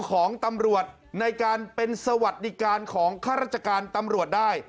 ของตำรวจในการเป็นสวัสดิการของข้าราชการตำรวจได้